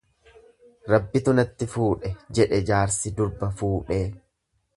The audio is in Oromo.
Rabbitu natti fuudhe, jedhe jaarsi durba fuudhee.